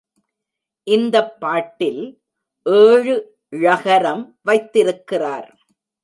இந்தப் பாட்டில் ஏழு ழகரம் வைத்திருக்கிறார்.